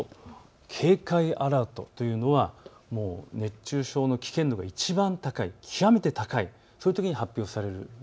警戒アラートというのは熱中症の危険度がいちばん高い、極めて高い、そういうときに発表されるものです。